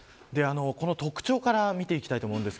特徴から見ていきます。